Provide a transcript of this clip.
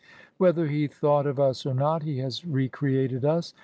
• Whether he thought of us or not, he has recreated us.